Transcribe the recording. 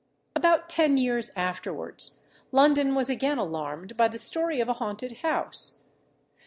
About ten years afterwards, London was again alarmed by the story of a haunted house.